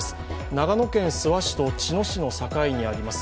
長野県諏訪市と茅野市の境にあります